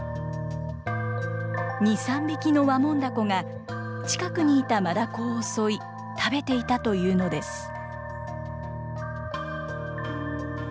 ２、３匹のワモンダコが、近くにいたマダコを襲い、食べていたというのです。